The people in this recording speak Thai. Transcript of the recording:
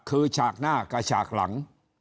คือฉากหน้ากับฉากหลัง